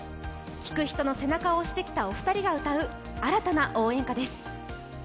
聴く人の背中を押してきたお二人が歌う新たな応援歌です。